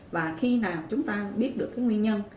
và khi nào chúng ta biết được nguyên nhân